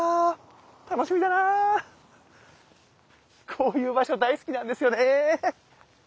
こういう場所大好きなんですよね。